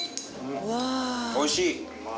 おいしい！